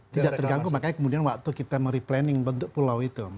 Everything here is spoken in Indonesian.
tidak terganggu makanya kemudian waktu kita mereplanning bentuk pulau itu